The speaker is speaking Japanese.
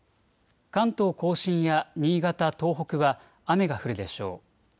関東甲信や新潟、東北は雨が降るでしょう。